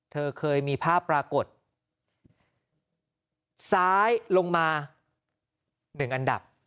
เธอเคยมีภาพปรากฏซ้ายลงมา๑อันดับ